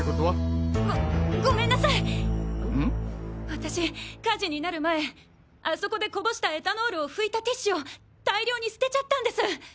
私火事になる前あそこでこぼしたエタノールを拭いたティッシュを大量に捨てちゃったんです！